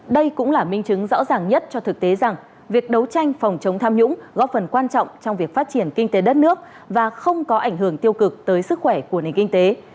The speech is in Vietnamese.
đây cũng là minh chứng rõ ràng nhất cho thực tế rằng việc đấu tranh phòng chống tham nhũng góp phần quan trọng trong việc phát triển kinh tế đất nước và không có ảnh hưởng tiêu cực tới sức khỏe của nền kinh tế